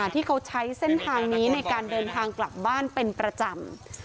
ที่เขาใช้เส้นทางนี้ในการเดินทางกลับบ้านเป็นประจำ